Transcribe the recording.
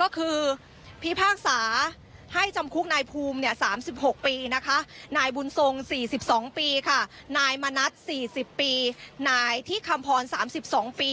ก็คือพิพากษาให้จำคุกนายภูมิ๓๖ปีนะคะนายบุญทรง๔๒ปีค่ะนายมณัฐ๔๐ปีนายที่คำพร๓๒ปี